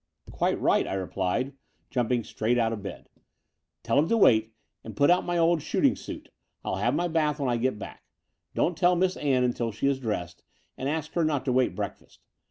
"Quite right," I replied, jumping straight out of 50 The Door of the Unteal bed. "Tell Imn to wait, and put out my old shooting suit. I'll have my bath when I get back. Don't tell Miss Ann until she is dressed, and ask her not to wait breakfast.